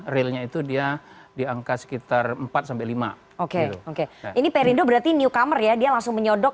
realnya itu dia di angka sekitar empat sampai lima oke oke ini perindo berarti newcomer ya dia langsung menyodok